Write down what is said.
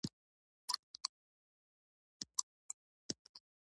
دا غرونه لوړ غاښي غاښي او ژورې درې لري.